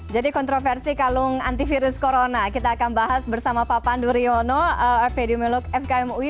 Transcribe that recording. jadi kontroversi kalung antivirus corona kita akan bahas bersama pak pandu riono fkm ui